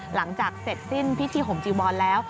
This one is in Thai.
หลังจากเสร็จสิ้นพิธีห่มจีวรแล้ว